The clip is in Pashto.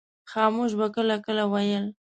خاموش به کله کله ویل.